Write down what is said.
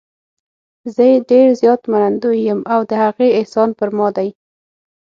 زه یې ډېر زیات منندوی یم او د هغې احسان پر ما دی.